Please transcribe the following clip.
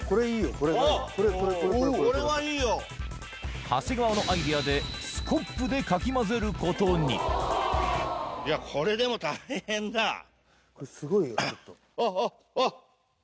これこれこれあっ長谷川のアイデアでスコップでかき混ぜることにいやこれすごいよちょっとあっあっ